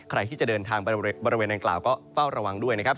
ใครที่จะเดินทางไปบริเวณนางกล่าวก็เฝ้าระวังด้วยนะครับ